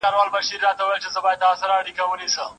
پرښاخونو به مو پېغلي ټالېدلای